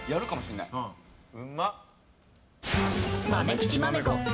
うまっ！